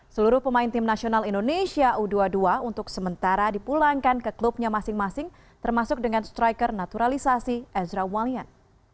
seluruh pemain tim nasional indonesia u dua puluh dua untuk sementara dipulangkan ke klubnya masing masing termasuk dengan striker naturalisasi ezra walian